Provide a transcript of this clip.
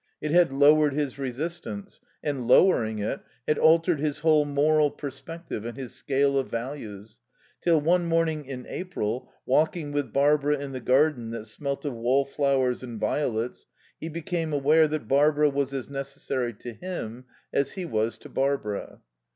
It had lowered his resistance, and, lowering it, had altered his whole moral perspective and his scale of values, till one morning in April, walking with Barbara in the garden that smelt of wallflowers and violets, he became aware that Barbara was as necessary to him as he was to Barbara.